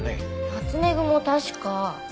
ナツメグも確か。